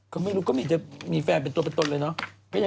ก็ไม่รู้ก็ยังจะมีแฟนเป็นตัวเลยเนาะ